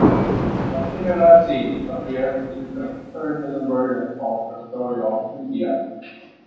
A similar theme appears in certain versions of the story of Medea.